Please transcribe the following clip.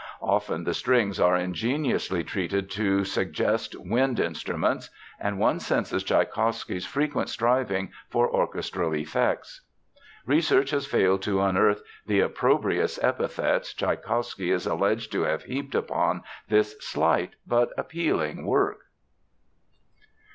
Often the strings are ingeniously treated to suggest wind instruments, and one senses Tschaikowsky's frequent striving for orchestral effects. Research has failed to unearth the "opprobrious epithets" Tschaikowsky is alleged to have heaped upon this slight but appealing work.